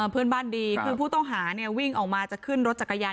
เพื่อนบ้านดีคือผู้ต้องหาวิ่งออกมาจะขึ้นรถจักรยาน